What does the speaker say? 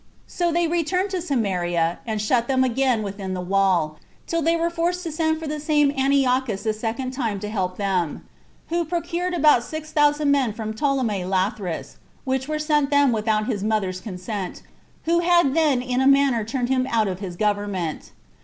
So they returned to Samaria, and shut them again within the wall, till they were forced to send for the same Antiochus a second time to help them, who procured about six thousand men from Ptolemy Lathyrus, which were sent them without his mother's consent, who had then in a manner turned him out of his government.